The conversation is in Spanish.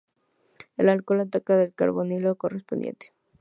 El alcohol ataca al carbonilo correspondiente.